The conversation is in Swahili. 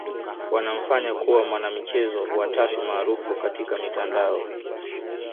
wanamfanya kuwa mwanamichezo wa tatu maarufu katika mitandao